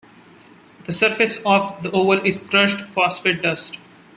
The surface of the oval is crushed phosphate dust.